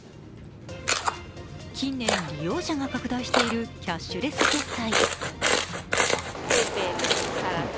近年、利用者が拡大しているキャッシュレス決済。